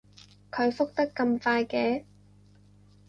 佢覆得咁快嘅